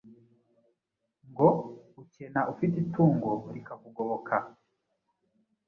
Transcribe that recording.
Ngo:“Ukena ufite itungo rikakugoboka!”